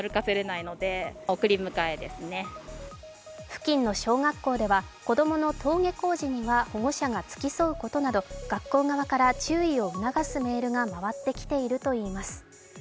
付近の小学校では子供の登下校時には保護者が付き添うことなど学校側から注意を促すメールが回ってきているということです。